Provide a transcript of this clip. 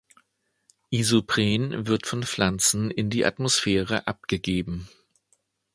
Isopren wird von Pflanzen in die Atmosphäre abgegeben.